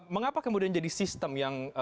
mengapa kemudian jadi sistem yang